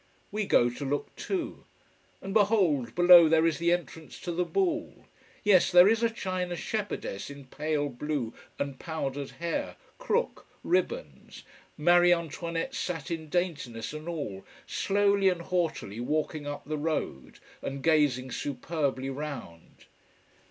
We go to look too: and behold, below there is the entrance to the ball. Yes, there is a china shepherdess in pale blue and powdered hair, crook, ribbons, Marie Antoinette satin daintiness and all, slowly and haughtily walking up the road, and gazing superbly round.